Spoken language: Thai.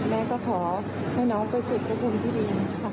แม่ก็ขอให้น้องไปสู่ภพภูมิที่ดี